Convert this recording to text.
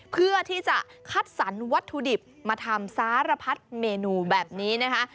เพื่อที่จะคัดสรรวัตถุดิบมาทำสารพัดเมนูแบบนี้นะคะ